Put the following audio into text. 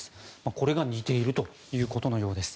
これが似ているということのようです。